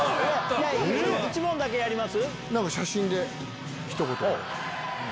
１問だけやります？